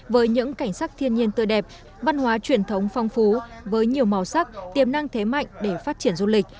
với những cảnh sắc thiên nhiên tươi đẹp văn hóa truyền thống phong phú với nhiều màu sắc tiềm năng thế mạnh để phát triển du lịch